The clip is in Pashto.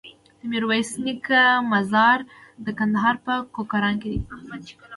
د ميرويس نيکه مزار د کندهار په کوکران کی دی